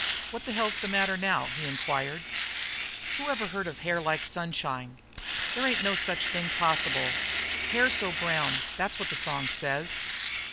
"What the hell's the matter now?" he inquired. "Whoever heard of 'hair like the sunshine'? There ain't no such thing possible. 'Hair so brown,' that's what the song says.